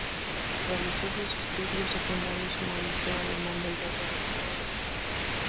Realizó sus estudios secundarios en el Liceo Alemán del Verbo Divino de Los Ángeles.